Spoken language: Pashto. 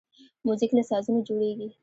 موزیک له سازونو جوړیږي.